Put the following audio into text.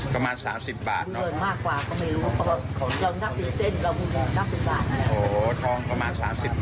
ประมาณ